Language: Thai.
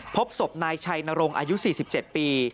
พบศพนายชัยนรงค์อายุ๔๗ปี